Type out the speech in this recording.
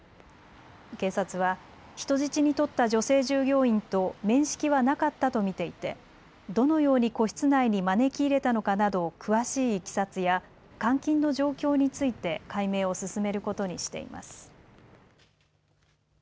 警察は人質に取った女性従業員と面識はなかったと見ていてどのように個室内に招き入れたのかなど詳しいいきさつや監禁の状況について解明を進めることにしています。